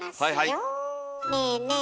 ねえねえ